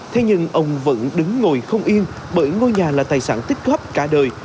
thế nhưng ông vẫn đứng ngồi không yên bởi ngôi nhà là tài sản tích cóp cả đời